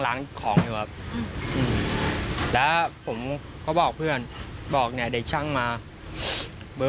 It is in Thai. ล้างของอยู่แล้วผมก็บอกเพื่อนบอกเนี่ยได้ช่างมาแล้ว